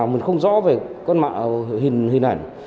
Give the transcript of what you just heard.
mình không rõ về con mạng hình ảnh